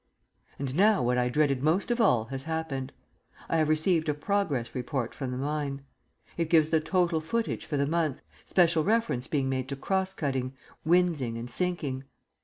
And now what I dreaded most of all has happened. I have received a "Progress Report" from the mine. It gives the "total footage" for the month, special reference being made to "cross cutting, winzing, and sinking."